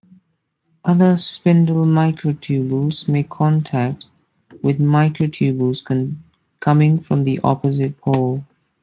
Other spindle microtubules make contact with microtubules coming from the opposite pole.